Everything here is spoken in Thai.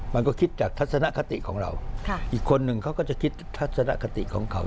มันก็คิดจากทัศนคติของเราอีกคนหนึ่งเขาก็จะคิดทัศนคติของเขา